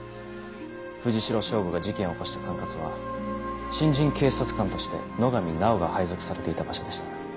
藤代省吾が事件を起こした管轄は新人警察官として野上奈緒が配属されていた場所でした。